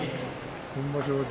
今場所